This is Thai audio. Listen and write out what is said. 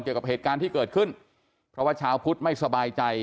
เกี่ยวกับเหตุการณ์ที่เกิดขึ้นเพราะว่าชาวพุทธไม่สบายใจ